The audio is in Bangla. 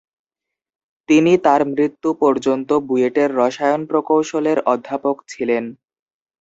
তিনি তার মৃত্যু পর্যন্ত বুয়েটের রসায়ন প্রকৌশলের অধ্যাপক ছিলেন।